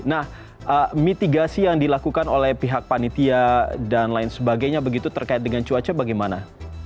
nah mitigasi yang dilakukan oleh pihak panitia dan lain sebagainya begitu terkait dengan cuaca bagaimana